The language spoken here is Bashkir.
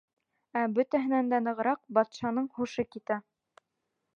Ә бөтәһенән дә нығыраҡ батшаның һушы китә.